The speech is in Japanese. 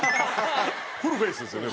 フルフェイスですよね？